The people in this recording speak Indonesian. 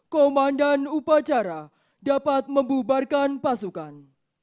komandan upacara dapat membubarkan pasukan